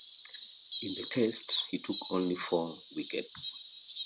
In the Tests, he took only four wickets.